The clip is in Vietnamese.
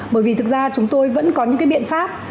bởi vì thực ra chúng tôi vẫn có những cái biện pháp